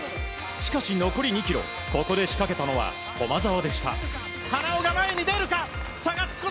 しかし残り２ｋｍここで仕掛けたのは駒澤でした。